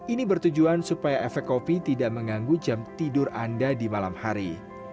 ini bertujuan supaya efek kopi tidak mengganggu jam tidur anda di malam hari